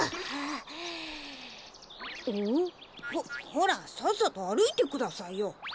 ほほらさっさとあるいてくださいよ。